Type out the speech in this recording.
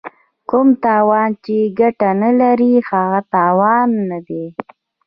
کوم تاوان چې ګټه نه لري هغه تاوان دی.